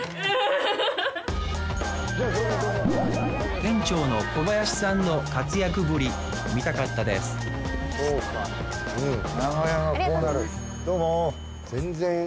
店長の小林さんの活躍ぶり見たかったですありがとうございます。